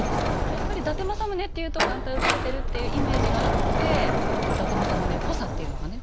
やっぱり伊達政宗っていうと眼帯をつけてるっていうイメージがあって伊達政宗っぽさっていうのがね